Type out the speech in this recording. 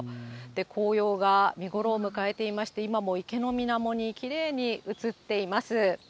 紅葉が見頃を迎えていまして、今も池のみなもにきれいに映っています。